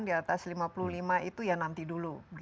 di atas lima puluh lima itu ya nanti dulu